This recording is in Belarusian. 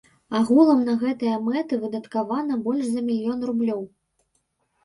Агулам на гэтыя мэты выдаткавана больш за мільён рублёў.